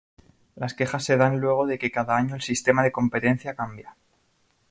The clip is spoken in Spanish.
Las quejas se dan luego de que cada año el sistema de competencia cambia.